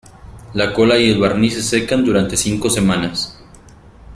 La cola y el barniz se secan durante cinco semanas.